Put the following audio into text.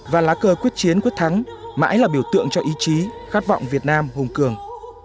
và lá cờ quyết chiến quyết thắng mãi là biểu tượng cho ý chí khát vọng việt nam hùng cường